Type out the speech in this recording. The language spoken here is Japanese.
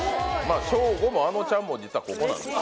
あショーゴもあのちゃんも実はここなんです